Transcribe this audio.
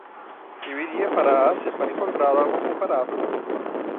Eu iria para a Ásia para encontrar algo comparável.